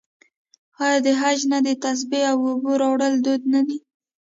آیا د حج نه د تسبیح او اوبو راوړل دود نه دی؟